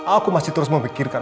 aku masih terus memikirkan